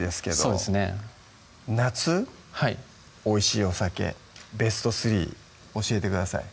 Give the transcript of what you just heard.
そうですね夏おいしいお酒ベストスリー教えてください